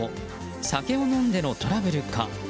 酒を飲んでのトラブルか。